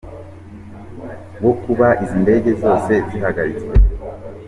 wo kuba izi ndege zose zihagaritswe